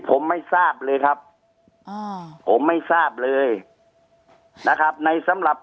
ผมไม่ทราบเลยครับอ่าผมไม่ทราบเลยนะครับในสำหรับ